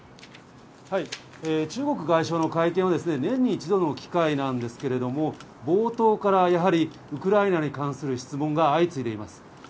中国外相の会見は、年に一度の機会なんですけれども、冒頭からやはりウクライナに関する質問が相次いでいます。